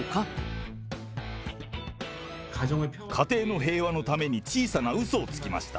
家庭の平和のために小さなうそをつきました。